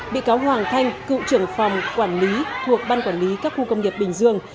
bị cáo hoàng thanh cựu trưởng phòng quản lý thuộc ban quản lý các khu công nghiệp bình dương